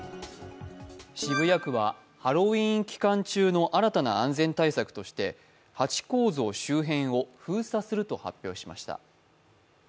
渋谷区はハロウィーン期間中の新たな安全対策として、ハチ公像周辺を封鎖すると発表しました。